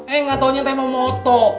eh tidak tahunya mau foto